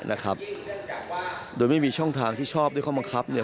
นะครับโดยไม่มีช่องทางที่ชอบด้วยข้อบังคับเนี่ย